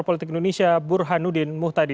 politik indonesia burhanuddin muhtadi